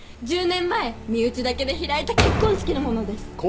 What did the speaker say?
１０年前身内だけで開いた結婚式のものです。